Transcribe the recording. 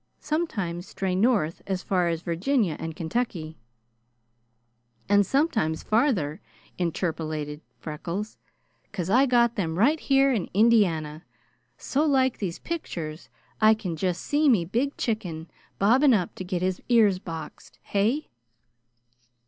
Sometimes stray north as far as Virginia and Kentucky '" "And sometimes farther," interpolated Freckles, "'cos I got them right here in Indiana so like these pictures I can just see me big chicken bobbing up to get his ears boxed. Hey?"